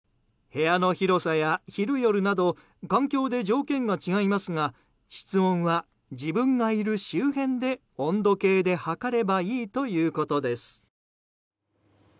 部屋の広さや昼夜など環境で条件が違いますが室温は自分がいる周辺で温度計で測ればいいということです。